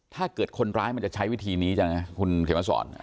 ถ้าเกิดคนร้ายมันจะใช้วิธีนี้จังนะคุณเขียนมาสอน